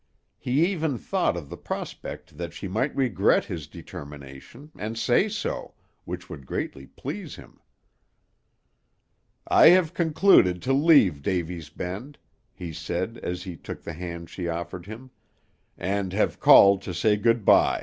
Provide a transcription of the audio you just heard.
He even thought of the prospect that she might regret his determination, and say so, which would greatly please him. "I have concluded to leave Davy's Bend," he said, as he took the hand she offered him, "and have called to say good by.